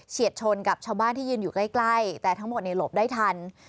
ชนกับชาวบ้านที่ยืนอยู่ใกล้แต่ทั้งหมดในหลบได้ทัน